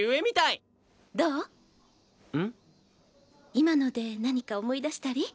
今ので何か思い出したり？